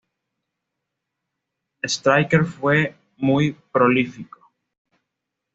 Striker fue muy prolífico.